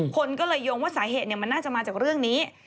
คนก็เลยโยงว่าสาเหตุมันน่าจะมาจากเรื่องนี้